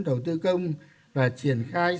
đầu tư công và triển khai